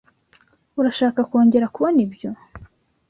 Urashaka kongera kubona ibyo?